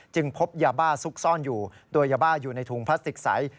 พบยาบ้าซุกซ่อนอยู่โดยยาบ้าอยู่ในถุงพลาสติกใส